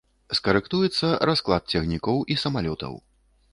Скарэктуецца расклад цягнікоў і самалётаў.